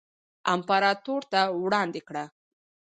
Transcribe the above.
امپراتور ته وړاندې کړه.